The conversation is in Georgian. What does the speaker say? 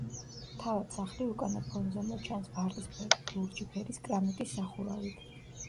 თავად სახლი უკანა ფონზე მოჩანს, ვარდისფერი, ლურჯი ფერის კრამიტის სახურავით.